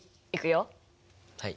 はい。